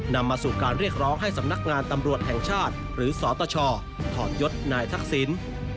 นำมาสู่การเรียกร้องให้สำนักงานตำรวจแห่งชาติหรือสตชถอดยศนายทักษิณ